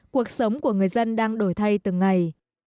cuộc sống của người dân đang đổi thay từng ngày